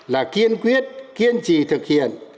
là kiên quyết kiên trì thực hiện